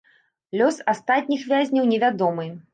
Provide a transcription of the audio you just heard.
Лёс астатніх вязняў невядомы.